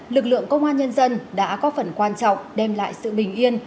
lực lượng công an nhân dân đã có phần quan trọng đem lại sự bình yên